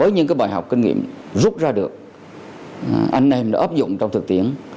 nay tiếp tục tái phạm